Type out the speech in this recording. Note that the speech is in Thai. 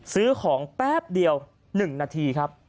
ซื้อของแป๊บเดียว๑นาทีครับ